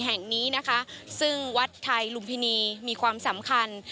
แห่งนี้นะคะซึ่งวัดไทยลุมพินีมีความสำคัญ